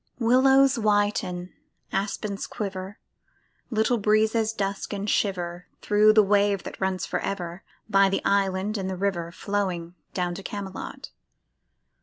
Willows whiten, aspens quiver, Little breezes dusk and shiver Thro' the wave that runs forever By the island in the river Flowing down to Camelot.